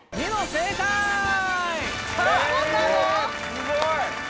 すごい！